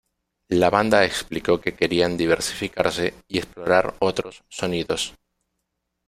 La banda explicó que querían diversificarse y explorar otros sonidos.